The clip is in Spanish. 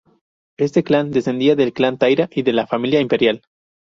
Este clan descendía del clan Taira y de la familia imperial.